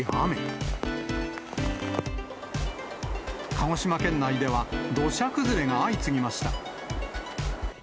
鹿児島県内では、土砂崩れが相次ぎました。